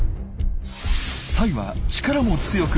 サイは力も強く。